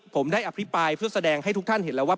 ผมได้อภิปรายเพื่อแสดงให้ทุกท่านเห็นแล้วว่า